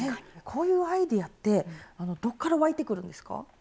こういうアイデアってどっから湧いてくるんですか？